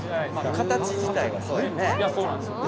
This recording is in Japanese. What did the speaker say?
形自体はそうやね。